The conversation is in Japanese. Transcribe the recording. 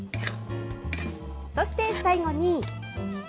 そして最後に。